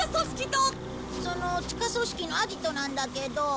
その地下組織のアジトなんだけど。